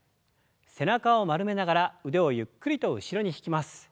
背中を丸めながら腕をゆっくりと後ろに引きます。